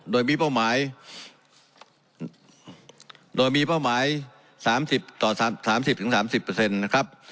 โดยมีเป้าหมาย๓๐ต่อ๓๐ถึง๓๐เปอร์เซ็นต์นะครับ